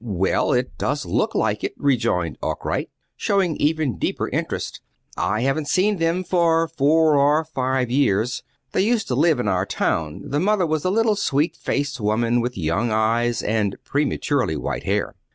"Well, it does look like it," rejoined Arkwright, showing even deeper interest. "I haven't seen them for four or five years. They used to live in our town. The mother was a little sweet faced woman with young eyes and prematurely white hair."